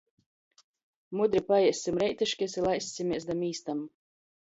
Mudri paēssim reitiškys i laissimēs da mīstam.